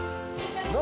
何？